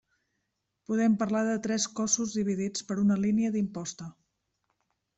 Podem parlar de tres cossos dividits per una línia d'imposta.